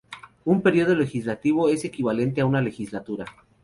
Un periodo legislativo es equivalente a una legislatura.